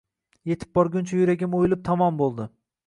Etib borguncha yuragim o`yilib tamom bo`ldi